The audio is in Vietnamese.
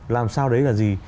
làm sao đấy là gì